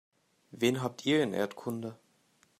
Wen habt ihr in Erdkunde?